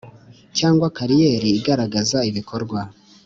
cyangwa kariyeri igaragaza ibikorwa